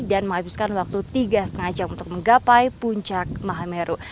dan menghabiskan waktu tiga setengah jam untuk menggapai puncak mahameru